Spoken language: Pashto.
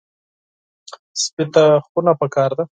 سپي ته خونه پکار ده.